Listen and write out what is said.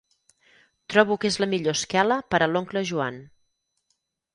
Trobo que és la millor esquela per a l'oncle Joan.